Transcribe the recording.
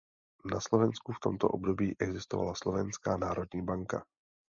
Na Slovensku v tomto období existovala Slovenská národní banka.